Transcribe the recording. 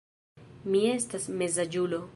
Mi estas mezaĝulo.